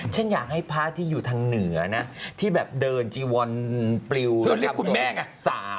ฉันอยากให้พระที่อยู่ทางเหนือนะที่แบบเดินจีวนปริวแล้วทำโดยสาว